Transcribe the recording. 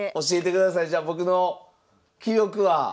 教えてくださいじゃあ僕の棋力は！